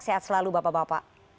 sehat selalu bapak bapak